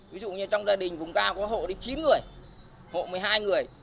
ví dụ như trong gia đình vùng cao có hộ đến chín người hộ một mươi hai người